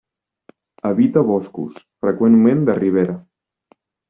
Habita boscos, freqüentment de ribera.